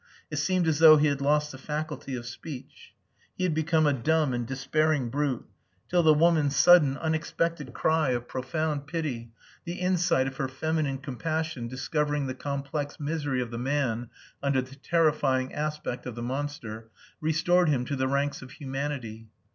It seemed as though he had lost the faculty of speech. He had become a dumb and despairing brute, till the woman's sudden, unexpected cry of profound pity, the insight of her feminine compassion discovering the complex misery of the man under the terrifying aspect of the monster, restored him to the ranks of humanity.